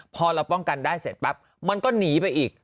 พอเราป้องกันได้เสร็จปั๊บมันก็หนีไปอีก